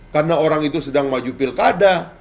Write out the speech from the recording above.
karena orang itu sedang maju pilkada